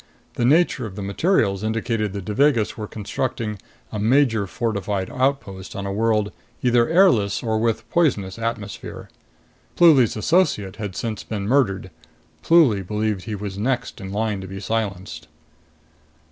The nature of the materials indicated the Devagas were constructing a major fortified outpost on a world either airless or with poisonous atmosphere. Pluly's associate had since been murdered. Pluly believed he was next in line to be silenced.